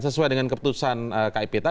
sesuai dengan keputusan ketua pemerintah